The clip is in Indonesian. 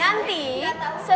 untuk tidak masalah